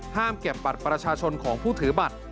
เก็บบัตรประชาชนของผู้ถือบัตร